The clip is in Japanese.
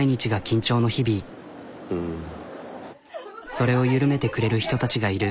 それを緩めてくれる人たちがいる。